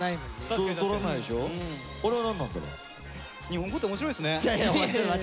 日本語って面白いですね。